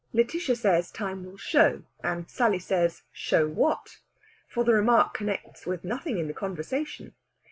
Lætitia says time will show, and Sally says, "Show what?" For the remark connects with nothing in the conversation.